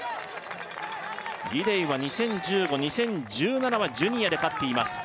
ギデイは２０１５２０１７はジュニアで勝っています